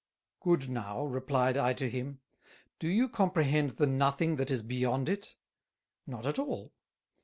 "Good now," replied I to him, "do you comprehend the Nothing that is beyond it? Not at all.